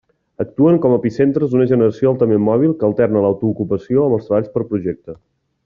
Actuen com a epicentres d'una generació altament mòbil que alterna l'autoocupació amb els treballs per projecte.